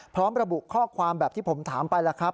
พร้อมระบุข้อความแบบที่ผมถามไปแล้วครับ